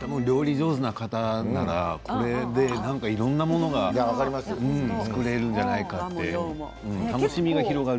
多分、料理上手の方ならこれでいろんなものが作れるんじゃないかなって楽しみが広がる。